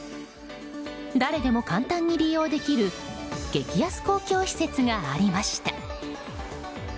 誰でも簡単に利用できる激安公共施設がありました。